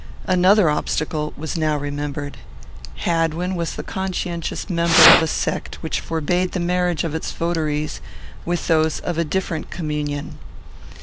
Another obstacle was now remembered. Hadwin was the conscientious member of a sect which forbade the marriage of its votaries with those of a different communion.